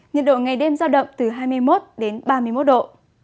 nhiệt độ ngày đêm giao động từ hai mươi một đến ba mươi một độ